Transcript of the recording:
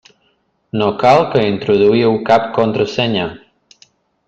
No cal que introduïu cap contrasenya.